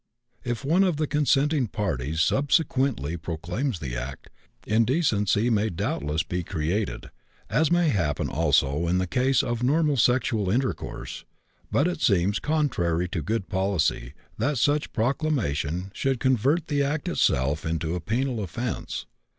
If one of the consenting parties subsequently proclaims the act, indecency may doubtless be created, as may happen also in the case of normal sexual intercourse, but it seems contrary to good policy that such proclamation should convert the act itself into a penal offense.